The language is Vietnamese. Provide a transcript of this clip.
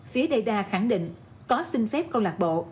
phía data khẳng định có xin phép câu lạc bộ